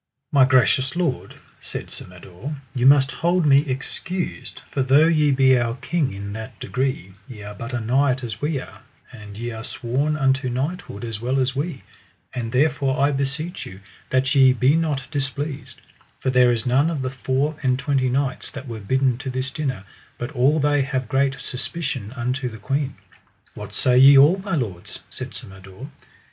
My gracious lord, said Sir Mador, ye must hold me excused, for though ye be our king in that degree, ye are but a knight as we are, and ye are sworn unto knighthood as well as we; and therefore I beseech you that ye be not displeased, for there is none of the four and twenty knights that were bidden to this dinner but all they have great suspicion unto the queen. What say ye all, my lords? said Sir Mador.